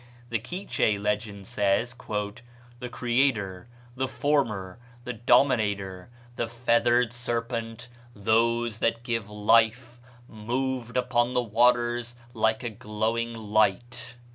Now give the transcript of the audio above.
The Quiche legend says, "The Creator the Former, the Dominator the feathered serpent those that give life, moved upon the waters like a glowing light."